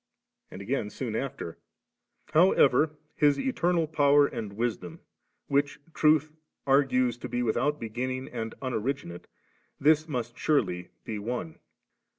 And again, soon after: 'However, His eternal power and wisdom, which truth ar;^e8 to be without beginning and unoriginate; this must surely be one.'